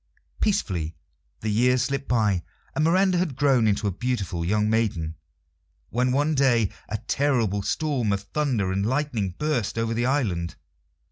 Peacefully the years slipped by, and Miranda had grown into a beautiful young maiden, when one day a terrible storm of thunder and lightning burst over the island.